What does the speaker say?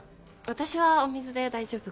私はお水で大丈夫かな。